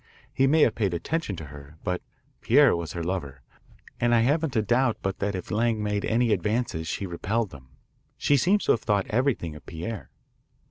He may have paid attentions to her, but Pierre was her lover, and I haven't a doubt but that if Lang made any advances she repelled them. She seems to have thought everything of Pierre."